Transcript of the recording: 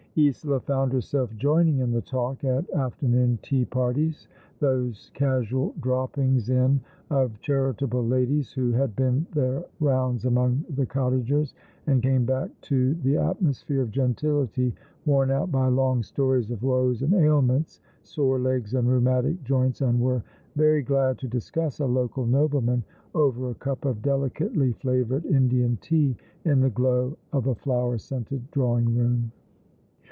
Isola found herself joining in the talk at afterBoon tea parties, those casual droppings in of charitable ladies who had been their rounds among the cottagers and came back to .the atmosphere of gentility worn out by long stories of woes and ailments, sore legs and rheumatic joints, and were very glad to discuss a local nobleman over a cup of delicately flavoured Indian tea in the glow of a flower scented drawing room.